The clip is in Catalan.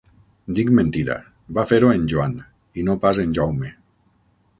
Dic mentida: va fer-ho en Joan, i no pas en Jaume.